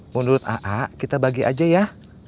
menurut a a kita bagi aja ya